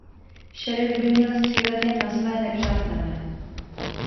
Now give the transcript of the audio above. Šerif by měl střílet jen na své nepřátele.